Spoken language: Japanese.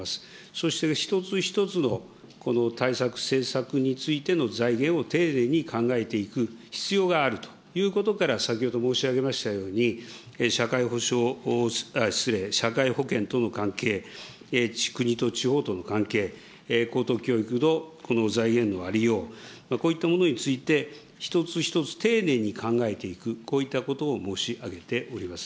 そして一つ一つの対策、政策についての財源を丁寧に考えていく必要があるということから、先ほど申し上げましたように、社会保障、失礼、社会保険との関係、国と地方との関係、高等教育の財源のありよう、こういったものについて、一つ一つ丁寧に考えていく、こういったことを申し上げております。